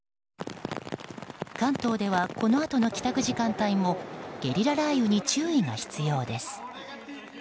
関東ではこのあとの帰宅時間帯もゲリラ雷雨に注意が必要です。